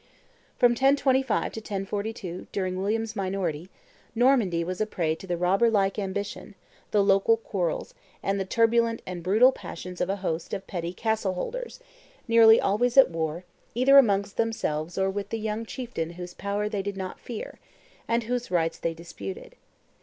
From 1025 to 1042, during William's minority, Normandy was a prey to the robber like ambition, the local quarrels, and the turbulent and brutal passions of a host of petty castle holders, nearly always at war, either amongst themselves or with the young chieftain whose power they did not fear, and whose rights they disputed.